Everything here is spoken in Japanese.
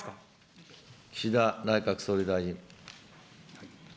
岸田内閣総理大臣。